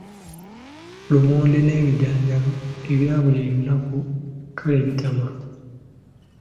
Lumonde n’ebijanjaalo ebya buli lunaku kale bitama.